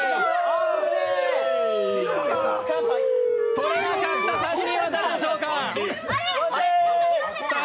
取れなかった３人は誰でしょうか。